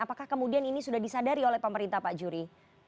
apakah kemudian ini sudah disadari oleh pemerintah pak juri